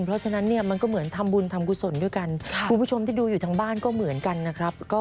เพราะฉะนั้นเนี่ยมันก็เหมือนทำบุญทำกุศลด้วยกันคุณผู้ชมที่ดูอยู่ทางบ้านก็เหมือนกันนะครับ